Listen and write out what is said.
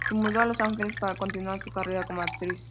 Se mudó a Los Ángeles para continuar su carrera como actriz.